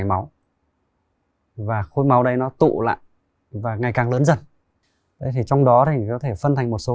chảy máu và khối máu đầy nó tụ lại và ngày càng lớn dần trong đó thì có thể phân thành một số